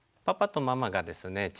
パパとママがですね